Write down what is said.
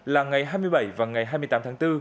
là ngày hai mươi bảy và ngày hai mươi tám tháng bốn